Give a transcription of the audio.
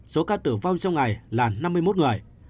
số ca tử vong trong ngày là năm mươi một người